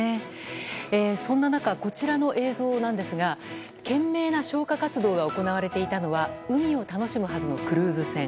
そんな中、こちらの映像は懸命な消火活動が行われていたのは海を楽しむはずのクルーズ船。